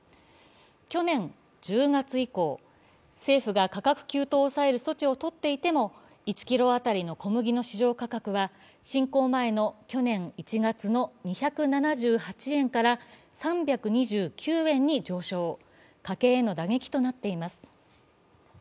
去年１０月以降、政府が価格急騰を抑える措置をとっていても１ｋｇ当たりの小麦の市場価格は侵攻前の去年１月の２７８円から３２９円に上昇家計への打撃となっています。